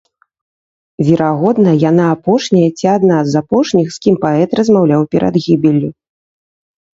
Верагодна, яна апошняя ці адна з апошніх, з кім паэт размаўляў перад гібеллю.